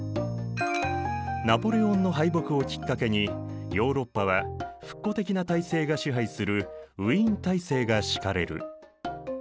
ナポレオンの敗北をきっかけにヨーロッパは復古的な体制が支配するウィーン体制が敷かれる。